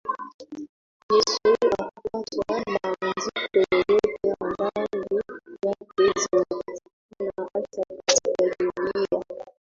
Yesu hakuacha maandiko yoyote habari zake zinapatikana hasa katika Biblia